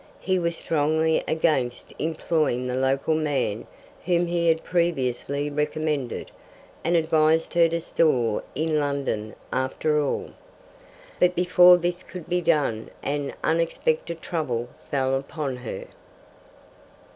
He was strongly against employing the local man whom he had previously recommended, and advised her to store in London after all. But before this could be done an unexpected trouble fell upon her.